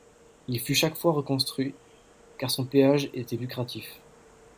Il fut chaque fois reconstruit, car son péage était lucratif.